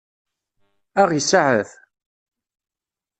Ad ɣ-iseɛef?